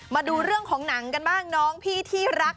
มาดูเรื่องของหนังกันบ้างน้องพี่ที่รัก